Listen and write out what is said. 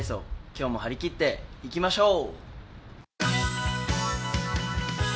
今日も張り切っていきましょう！